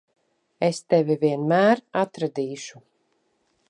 Es tevi vienmēr atradīšu.